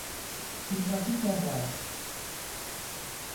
Il pratique la voile.